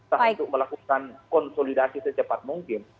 harus melakukan konsolidasi secepat mungkin